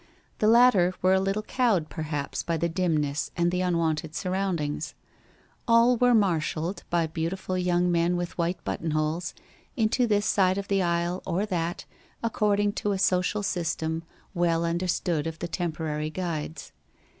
The latter were a little cowed perhaps by the dimness and the unwonted surroundings. All were marshalled, by beautiful young men with white buttonholes, into this side of the aisle or that according to a social system well under WHITE ROSE OF WEARY LEAF 37 stood of the temporary guides.